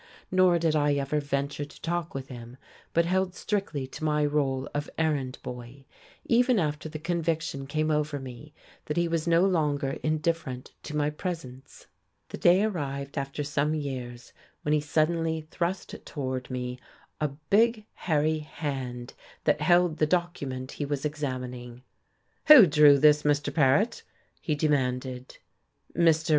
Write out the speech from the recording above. Nor did I ever venture to talk with him, but held strictly to my role of errand boy, even after the conviction came over me that he was no longer indifferent to my presence. The day arrived, after some years, when he suddenly thrust toward me a big, hairy hand that held the document he was examining. "Who drew this, Mr. Paret!" he demanded. Mr.